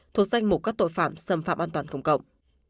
thuộc danh mục các tội phạm xâm phạm an toàn công cộng